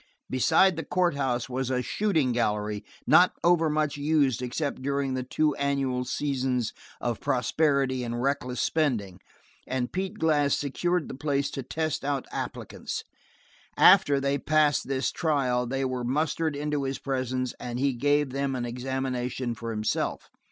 Beside the courthouse was a shooting gallery not overmuch used except during the two annual seasons of prosperity and reckless spending, and Pete Glass secured this place to test out applicants. After, they passed this trial they were mustered into his presence, and he gave them an examination for himself.